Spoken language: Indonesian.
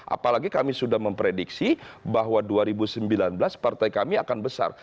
apalagi kami sudah memprediksi bahwa dua ribu sembilan belas partai kami akan besar